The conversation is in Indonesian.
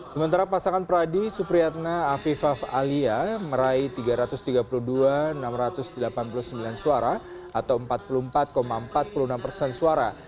sementara pasangan pradi supriyatna afifah alia meraih tiga ratus tiga puluh dua enam ratus delapan puluh sembilan suara atau empat puluh empat empat puluh enam persen suara